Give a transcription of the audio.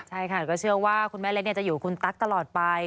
ใช่ค่ะก็เชื่อว่าคุณแม่เล็กจะอยู่คุณตั๊กตลอดไป